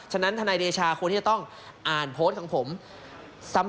ฉะนั้นทนายเดชาควรที่จะต้องอ่านโพสต์ของผมซ้ำ